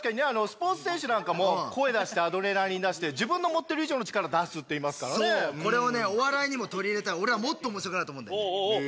スポーツ選手なんかも声出してアドレナリン出して自分の持ってる以上の力出すっていいますからねそうこれをねお笑いにも取り入れたら俺はもっと面白くなると思うんだよねえ